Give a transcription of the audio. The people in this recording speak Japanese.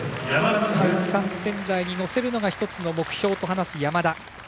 １３点台に乗せるのが目標と話す、山田。